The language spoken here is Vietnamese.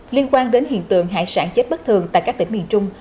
liên quan đến hiện tượng hải sản chết bất thường tại các tỉnh miền trung